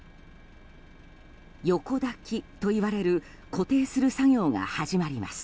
横抱きといわれる固定する作業が始まります。